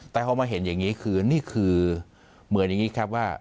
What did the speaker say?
แต่พอมาเห็นอย่างนี้คือนี่คือเหมือนอย่างนี้ครับว่า